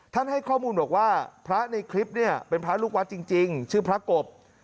ให้ข้อมูลบอกว่าพระในคลิปเนี่ยเป็นพระลูกวัดจริงชื่อพระกบ